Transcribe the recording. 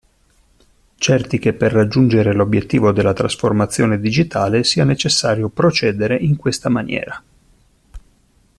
Certi che per raggiungere l'obiettivo della trasformazione digitale sia necessario procedere in questa maniera.